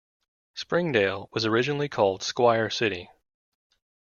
Springdale was originally called Squire City.